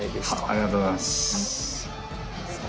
ありがとうございます。